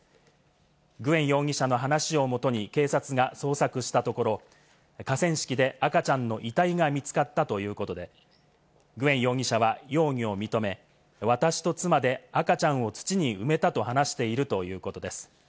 グエン容疑者の話をもとに警察が捜索したところ、河川敷で赤ちゃんの遺体が見つかったということで、グエン容疑者は容疑を認め、私と妻で赤ちゃんを土に埋めたと話しているということです。